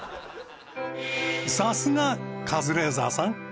さすがカズレーザーさん。